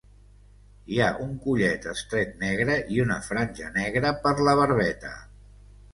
Hi ha un collet estret negre i una franja negra per la barbeta.